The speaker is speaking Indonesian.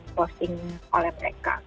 diposting oleh mereka